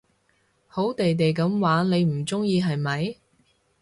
好地地噉玩你唔中意係咪？